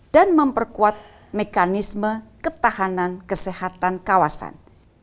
dan memperkuat mekanisme ketahanan kesehatan kawasan